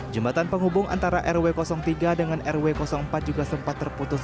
jembatan penghubung antara rw tiga dengan rw empat juga sempat terputus